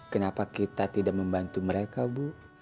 kenapa kita tidak membantu mereka bu